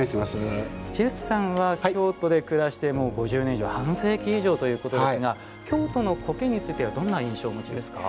ジェフさんは京都で暮らしてもう５０年以上半世紀以上ということですが京都の苔についてはどんな印象をお持ちですか。